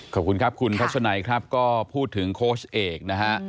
ขอบคุณครับคุณทัศนัยครับก็พูดถึงโค้ชเอกนะฮะ